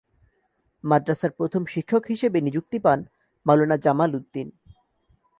মাদরাসার প্রথম শিক্ষক হিসেবে নিযুক্তি পান মাওলানা জামাল উদ্দিন।